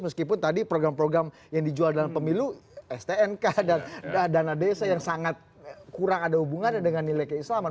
meskipun tadi program program yang dijual dalam pemilu stnk dan dana desa yang sangat kurang ada hubungannya dengan nilai keislaman